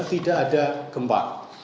tidak ada gempa